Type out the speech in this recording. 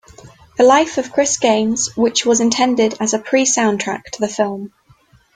The Life of Chris Gaines, which was intended as a 'pre-soundtrack' to the film.